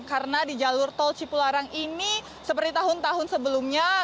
karena di jalur tol cipularang ini seperti tahun tahun sebelumnya